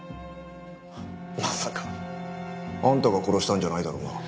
まさかあんたが殺したんじゃないだろうな？